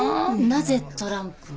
なぜトランプ？